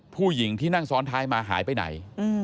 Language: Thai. ผู้หญิงที่นั่งซ้อนท้ายมาหายไปไหน